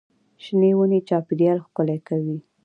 شنې ونې چاپېریال ښکلی کوي.